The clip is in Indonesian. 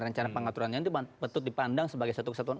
rencana pengaturannya itu betul dipandang sebagai satu kesalahan